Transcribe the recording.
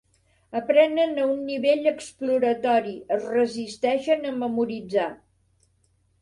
Aprenen a un nivell exploratori, es resisteixen a memoritzar.